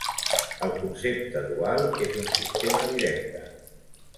El concepte dual és un sistema directe.